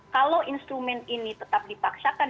kalau instrumen ini tetap dipaksakan